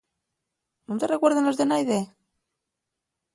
¿Nun te recuerden los de naide?